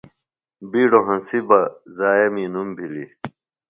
بِیڈوۡ ہنسیۡ بےضائع می نُم بِھلیۡ۔